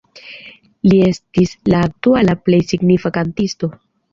Li estis la aktuala plej signifa kantisto.